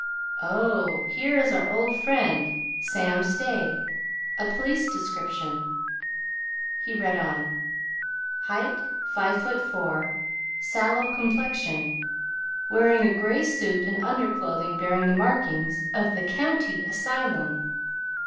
"Oh, here is our old friend, Sam Stay. A police description." He read on: "Height five foot four, sallow complexion ... wearing a grey suit and underclothing bearing the markings of the County Asylum....